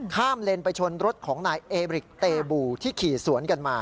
เลนไปชนรถของนายเอบริกเตบูที่ขี่สวนกันมา